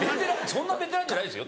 そんなベテランじゃないですよ。